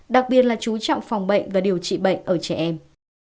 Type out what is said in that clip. đặc biệt là chú trọng phòng bệnh và điều trị bệnh ở trẻ em